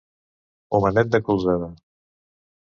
Homenet de colzada.